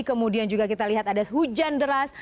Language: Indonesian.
kemudian juga kita lihat ada hujan deras